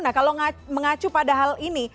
nah kalau mengacu pada hal ini